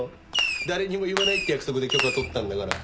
誰にも言わないって約束で許可取ったんだから。